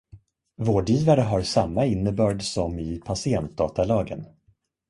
Vårdgivare har samma innebörd som i patientdatalagen.